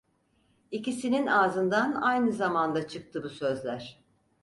İkisinin ağzından aynı zamanda çıktı bu sözler.